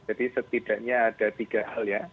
jadi setidaknya ada tiga hal ya